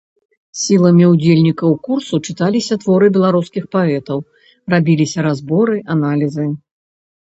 Сіламі ўдзельнікаў курсу чыталіся творы беларускіх паэтаў, рабіліся разборы, аналізы.